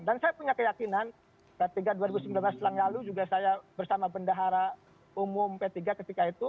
dan saya punya keyakinan p tiga dua ribu sembilan belas setelah nyalu juga saya bersama pendahara umum p tiga ketika itu